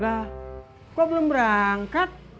lah kok belum berangkat